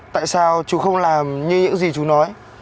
tại sao chú không làm như những gì chú nói